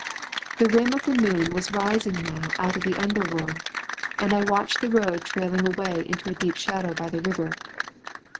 The rim of the moon was rising now out of the under world, and I watched the road trailing away into a deep shadow by the river.